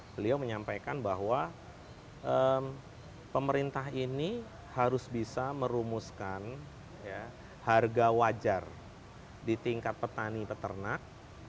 beliau menyampaikan bahwa pemerintah ini harus bisa merumuskan harga wajar di tingkat petani peternak